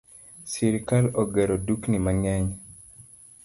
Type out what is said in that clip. Sirkal ogero dukni manyien